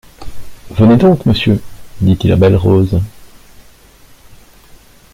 Venez donc, monsieur, dit-il à Belle-Rose.